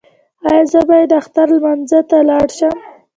ایا زه باید اختر لمانځه ته لاړ شم؟